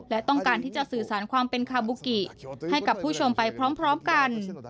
และต้องการที่จะสื่อสารความเป็นคาบูกิให้กับผู้ชมไปพร้อมกัน